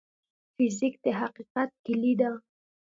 فزیک د حقیقت کلي ده.